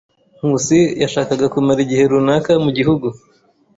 Nkusi yashakaga kumara igihe runaka mu gihugu.